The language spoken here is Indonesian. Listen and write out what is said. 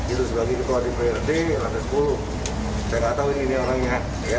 itu sebagian itu kalau di prd yang ada sepuluh saya nggak tahu ini orangnya